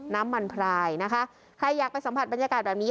น้ำมันพรายนะคะใครอยากไปสัมผัสบรรยากาศแบบนี้